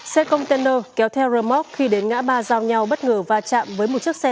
xe container kéo theo rơ móc khi đến ngã ba giao nhau bất ngờ va chạm với một chiếc xe